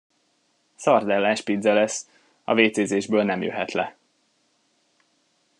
Szardellás pizza lesz, a vécézésből nem jöhet le.